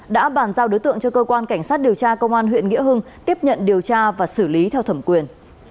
đã bàn giao đối tượng cho cơ quan cảnh sát điều tra công an huyện nghĩa hưng tiếp nhận điều tra và xử lý theo thẩm quyền